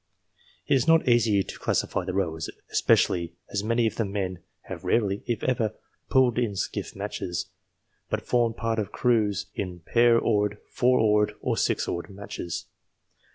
It is not easy to classify the rowers, especially as many of the men have rarely, if ever, pulled in skiff matches, but formed part of crews in pair oared, four oared, or six oared matches.